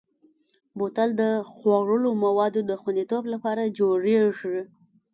بوتل د خوړلو موادو د خوندیتوب لپاره جوړېږي.